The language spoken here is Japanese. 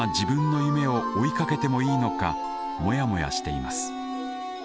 モヤモヤしています。